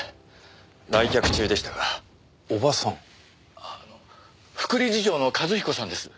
あの副理事長の一彦さんです。